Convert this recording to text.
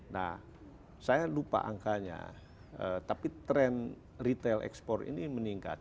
nah saya lupa angkanya tapi tren retail ekspor ini meningkat